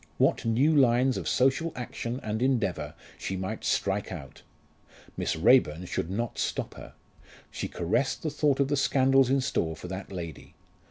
What new lines of social action and endeavour she might strike out! Miss Raeburn should not stop her. She caressed the thought of the scandals in store for that lady.